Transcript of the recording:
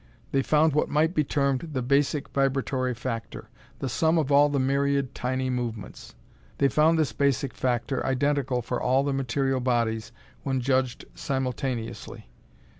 They found what might be termed the Basic Vibratory Factor the sum of all the myriad tiny movements. They found this Basic Factor identical for all the material bodies when judged simultaneously.